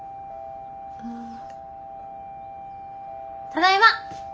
ただいま！